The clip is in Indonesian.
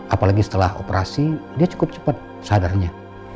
apalagi setelah operasi dia cukup cepat sadarnya